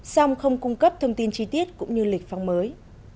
song không cung cấp thông tin chi tiết cũng như lịch phong mới